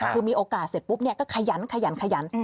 คือมีโอกาสเสร็จปุ๊บก็ขยัน